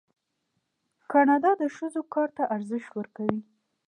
کاناډا د ښځو کار ته ارزښت ورکوي.